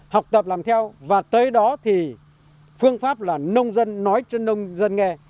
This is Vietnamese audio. học tập làm theo và tới đó thì phương pháp là nông dân nói cho nông dân nghe